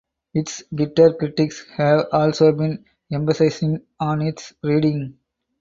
Its bitter critics have also been emphasizing on its reading.